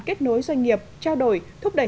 kết nối doanh nghiệp trao đổi thúc đẩy